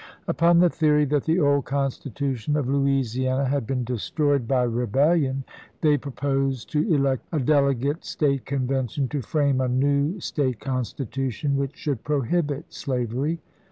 Upon the theory that the old constitution of Louisi ana had been destroyed by rebellion, they proposed to elect a delegate State Convention to frame a new State Constitution which should prohibit slavery.